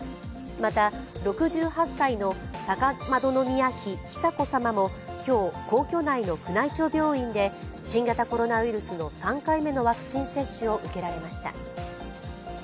また、６８歳の高円宮妃久子さまも今日皇居内の宮内庁病院で新型コロナウイルスの３回目のワクチン接種を受けられました。